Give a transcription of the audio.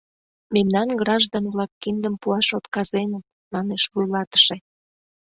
— Мемнан граждан-влак киндым пуаш отказеныт, — манеш вуйлатыше.